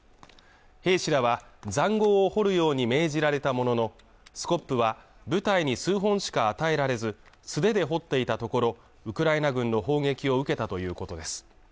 兵士らは塹壕を掘るように命じられたもののスコップは部隊に数本しか与えられず素手で掘っていたところウクライナ軍の砲撃を受けたということです